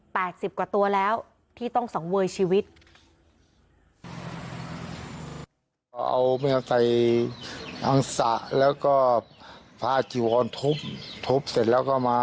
แปดสิบกว่าตัวแล้ว